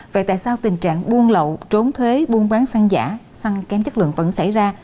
vậy tại sao tình trạng buôn lậu trốn thuế buôn bán xăng giả xăng kém chất lượng vẫn xảy ra